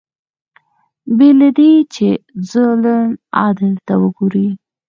بې له دې چې ظلم عدل ته وګوري